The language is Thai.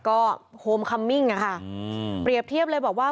ก็โฮมคัมมิ้งอะค่ะเปรียบเทียบเลยบอกว่า